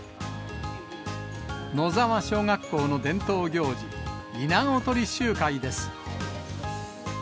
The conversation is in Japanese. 野沢小学校の伝統行事、いなご捕り集会です。